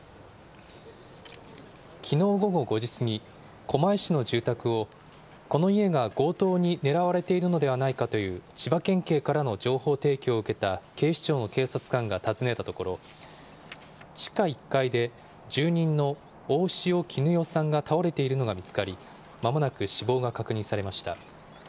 きのう午後５時過ぎ、狛江市の住宅をこの家が強盗に狙われているのではないかという千葉県警からの情報提供を受けた警視庁の警察官が訪ねたところ、地下１階で住人の大塩衣よさんが倒れているのが見つかり、まもなく死亡が確認されました。